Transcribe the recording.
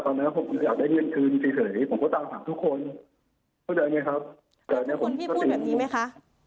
แต่อันนี้ผมสติงทุกคนพี่พูดแบบนี้ไหมคะ